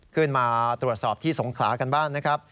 ขึ้นมาตรวจสอบที่สงขลากันบ้างนะครับ